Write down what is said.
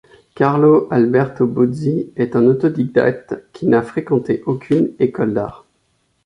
Carlo Alberto Buzzi est un autodidacte qui n'a fréquenté aucune école d'art.